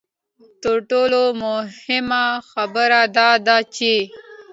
تر ټولو مهمه خبره دا ده چې.